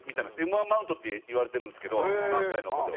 Ｍ−１マウントっていわれているんですけど関西の方では。